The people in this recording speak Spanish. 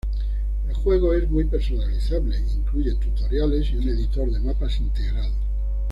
El juego es muy personalizable, incluye tutoriales y un editor de mapas integrado.